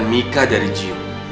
by mika terus sama pak